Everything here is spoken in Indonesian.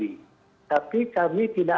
kita akan lanjutkan kembali diawal balik